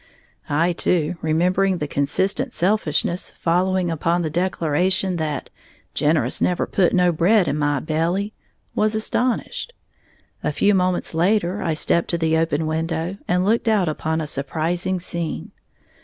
I, too, remembering the consistent selfishness following upon the declaration that "generous never put no bread in my belly", was astonished. A few moments later I stepped to the open window and looked out upon a surprising scene.